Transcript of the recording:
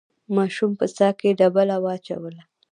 ماشوم په څاه کې ډبله واچوله.